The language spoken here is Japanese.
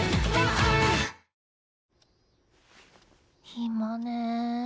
暇ね。